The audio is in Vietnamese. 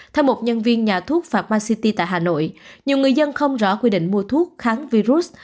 theo một nhân viên nhà thuốc phạt ma city tại hà nội nhiều người dân không rõ quy định mua thuốc kháng virus